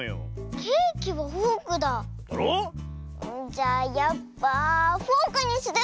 じゃあやっぱフォークにする！